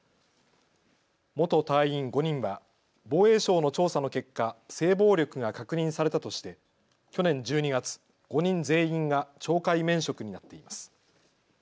元隊員５人は防衛省の調査の結果、性暴力が確認されたとして去年１２月、５人全員が懲戒免職になっています。